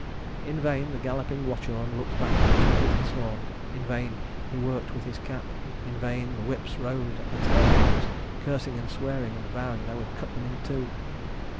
In vain the galloping Watchorn looked back and tootled his horn; in vain he worked with his cap; in vain the whips rode at the tail hounds, cursing and swearing, and vowing they would cut them in two.